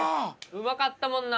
うまかったもんな。